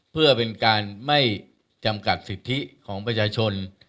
เพื่อเป็นการไม่จำกัดสิทธิของประชาชน